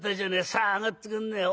さあ上がってくんねえ。